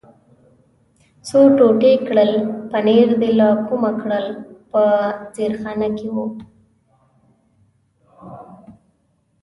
څو ټوټې کړل، پنیر دې له کومه کړل؟ په زیرخانه کې و.